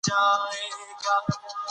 سپینه ډوډۍ غذایي مواد کم لري.